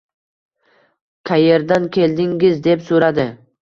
–Kayerdan keldingiz? – deb suradi.